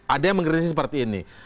ada yang mengkritisi seperti ini